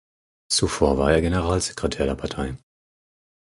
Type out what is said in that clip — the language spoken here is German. Zuvor war er Generalsekretär der Partei.